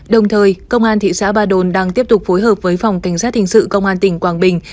đồng thời công an thị xã ba đồn đang tiếp tục phối hợp với phòng cảnh sát hình sự công an tỉnh quảng bình